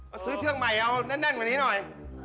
เอาซื้อเชียงใหม่เอาแน่นกว่านี้หน่อย